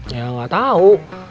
ya gak tahu